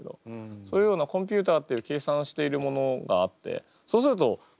そういうようなコンピューターっていう計算しているものがあってそうするとすごい。